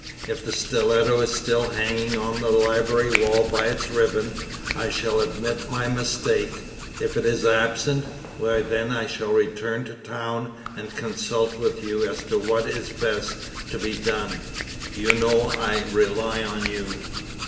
If the stiletto is still hanging on the library wall by its ribbon, I shall admit my mistake; if it is absent, why then I shall return to town and consult with you as to what is best to be done. You know I rely on you."